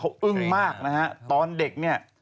เขาอึ้งมากนะฮะตอนเด็ก